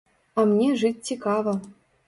А мне жыць цікава.